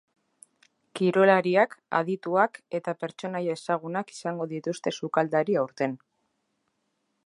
Kirolariak, adituak eta pertsonaia ezagunak izango dituzte sukaldari aurten.